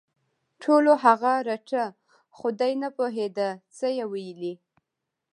ټولو هغه رټه خو دی نه پوهېده څه یې ویلي